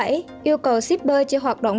yêu cầu sipr chỉ hoạt động